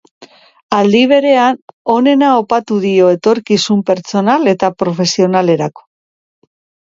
Aldi berean, onena opatu dio etorkizun pertsonal eta profesionalerako.